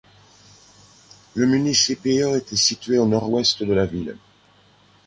Le Municipio était situé au nord-ouest de la ville.